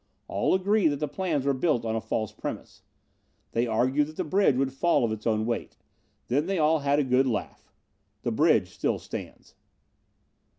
All agreed that the plans were built on a false premise. They argued that the bridge would fall of its own weight. Then they all had a good laugh. The bridge still stands.